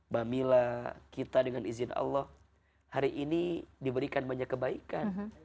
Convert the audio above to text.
bamila kita dengan izin allah hari ini diberikan banyak kebaikan